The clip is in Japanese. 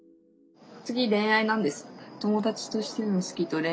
次恋愛なんです。